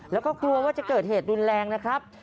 แล้วก็กลัวว่าจะเกิดเหตุรุนแรงนะครับ